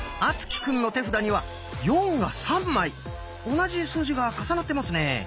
同じ数字が重なってますね。